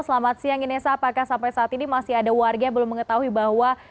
selamat siang inesa apakah sampai saat ini masih ada warga yang belum mengetahui bahwa